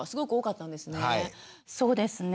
そうですね。